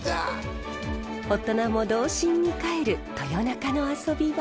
大人も童心に帰る豊中の遊び場。